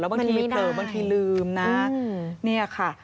แล้วบางทีเปิดบางทีลืมนะนี่ค่ะ